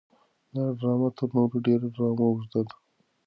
دا ډرامه تر نورو ډرامو ډېره اوږده وه.